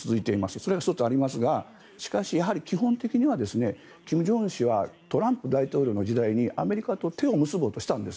それが１つありますがしかし、やはり基本的には金正恩氏はトランプ大統領の時代にアメリカと手を結ぼうとしたんです。